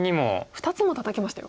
２つもタタけましたよ。